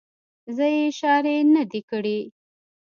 زه یې اشارې نه دي کړې.